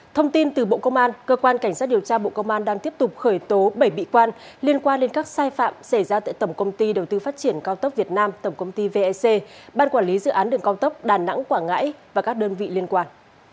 thông tin từ bộ công an cơ quan cảnh sát điều tra bộ công an đang tiếp tục khởi tố bảy bị quan liên quan đến các sai phạm xảy ra tại tổng công ty đầu tư phát triển cao tốc việt nam tổng công ty vec ban quản lý dự án đường cao tốc đà nẵng quảng ngãi và các đơn vị liên quan